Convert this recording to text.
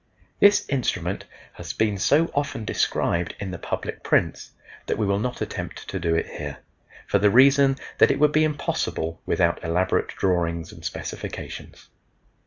This instrument has been so often described in the public prints that we will not attempt to do it here, for the reason that it would be impossible without elaborate drawings and specifications.